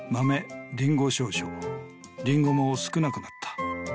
「リンゴも少なくなった」